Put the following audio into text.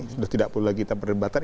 sudah tidak perlu lagi kita perdebatan